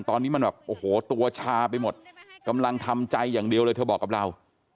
ตอนนี้มันแบบโอ้โหตัวชาไปหมดกำลังทำใจอย่างเดียวเลยเธอบอกกับเรา